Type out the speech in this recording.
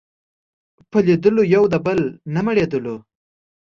په لیدلو یو د بل نه مړېدلو